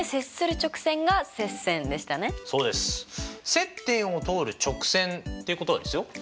接点を通る直線っていうことはですよ